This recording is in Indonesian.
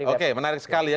oke menarik sekali ya